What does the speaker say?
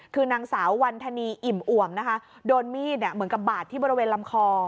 คือนางสาววันธนีอิ่มอ่วมนะคะโดนมีดเหมือนกับบาดที่บริเวณลำคอ